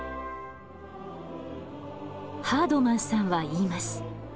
ハードマンさんは言います。